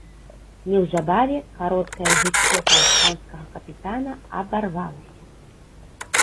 Неўзабаве кароткае жыццё паўстанцкага капітана абарвалася.